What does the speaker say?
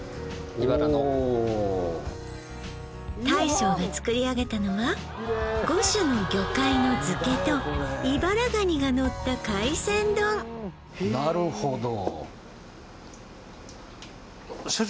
おお大将が作り上げたのは５種の魚介の漬けとイバラガニがのった海鮮丼社長